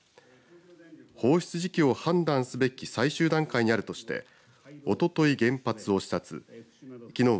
放出時期を判断すべき最終段階にあるとしておととい原発を視察。